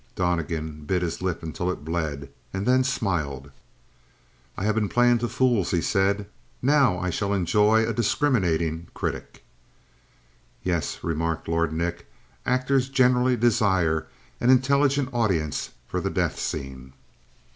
Donnegan bit his lip until it bled, and then smiled. "I have been playing to fools," he said. "Now I shall enjoy a discriminating critic." "Yes," remarked Lord Nick, "actors generally desire an intelligent audience for the death scene."